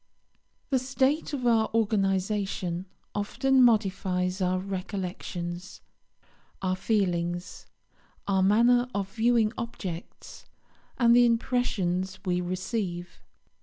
The state of our organisation often modifies our recollections, our feelings, our manner of viewing objects, and the impressions we receive.